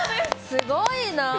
すごいなあ。